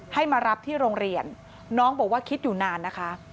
ให้มารับที่โรงเรียนน้องบอกว่าคิดอยู่นานนะคะ